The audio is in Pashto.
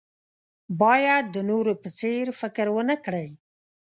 باید د نورو په څېر فکر ونه کړئ.